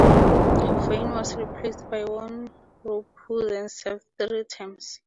Vane was replaced by Winthrop, who then served three terms.